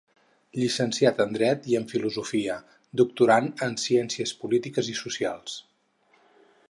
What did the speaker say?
Llicenciat en Dret i en Filosofia, doctorand de Ciències Polítiques i Socials.